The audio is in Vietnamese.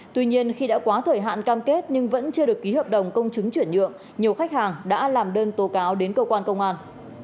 tuy nhiên khi đã quá thời hạn cam kết nhưng vẫn chưa được ký hợp đồng công chứng chuyển nhượng nhiều khách hàng đã làm đơn tố cáo đến cơ quan công an